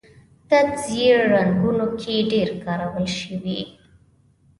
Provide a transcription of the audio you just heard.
تت ژیړ رنګونه په کې ډېر کارول شوي.